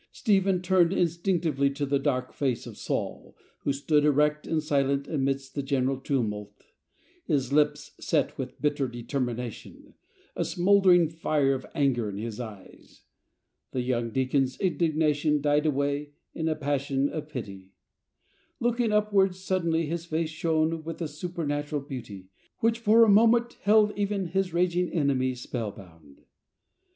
Stephen turned instinct ively to the dark face of Saul, who stood erect and silent amidst the general tumult, his lips set with bitter determination, a smouldering fire of anger in his eyes. The young deacon's indignation died away in a passion of pity. Looking upwards, suddenly his face shone with a supernatural beauty, which for a moment held even his raging enemies spell bound.